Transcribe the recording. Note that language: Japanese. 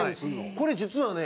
これ実はね